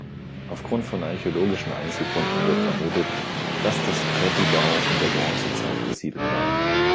Aufgrund von archäologischen Einzelfunden wird vermutet, dass das Prättigau in der Bronzezeit besiedelt war.